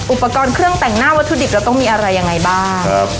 อุปกรณ์เครื่องแต่งหน้าวัตถุดิบเราต้องมีอะไรยังไงบ้างครับ